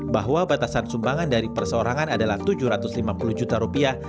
bahwa batasan sumbangan dari perseorangan adalah tujuh ratus lima puluh juta rupiah